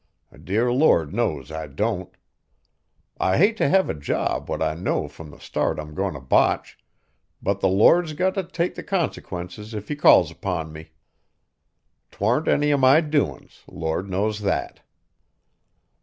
The dear Lord knows I don't. I hate t' have a job what I know from the start I'm goin' t' botch, but the Lord's got t' take the consequences if He calls 'pon me. 'T warn't any of my doin's, the Lord knows that!"